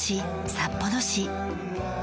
札幌市。